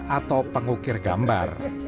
atau pengukir gambar